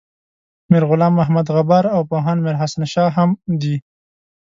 میر غلام محمد غبار او پوهاند میر حسین شاه هم دي.